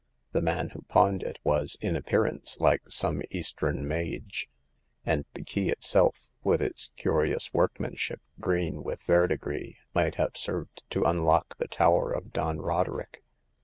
The man who pawned it was in appearance like some Eastern mage ; and the key itself, with its curious workmanship, green with verdigris, might have served to unlock the tower of Don Roderick.